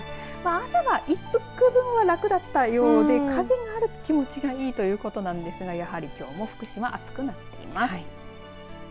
朝はいくぶんは楽だったようで風があると気持ちがいいということなんですがやはりきょうも福島、暑くなっています。